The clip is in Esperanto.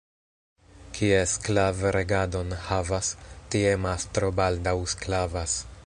Kie sklav' regadon havas, tie mastro baldaŭ sklavas.